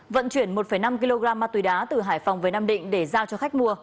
vận chuyển một năm kg ma túy đá từ hải phòng về nam định để giao cho khách mua